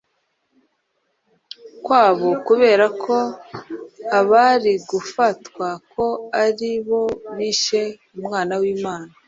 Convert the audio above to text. kwabo kubera ko bari gufatwa ko ari bo bishe Umwana w’Imana.